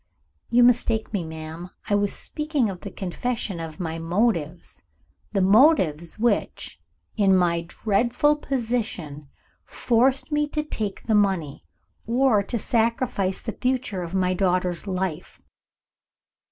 "You mistake me, madam. I was speaking of the confession of my motives the motives which, in my dreadful position, forced me to take the money, or to sacrifice the future of my daughter's life.